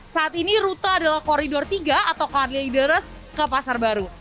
saat ini rute adalah koridor tiga atau card leaders ke pasar baru